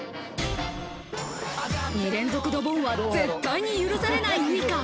２連続ドボンは絶対に許されないウイカ。